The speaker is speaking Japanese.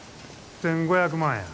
１，５００万や。